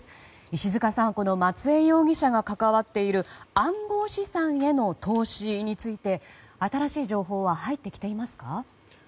石塚さん、この松江容疑者が関わっている暗号資産への投資について新しい情報は入ってきていますか。